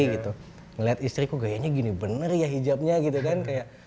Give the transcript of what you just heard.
jadi ngelihat istri kok gaya gini bener ya hijabnya gitu kan